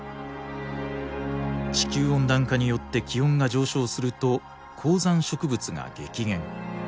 地球温暖化によって気温が上昇すると高山植物が激減。